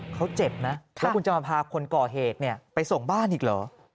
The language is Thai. เขาเจ็บนะแล้วคุณจะมาพาคนก่อเหตุไปส่งบ้านอีกเหรอ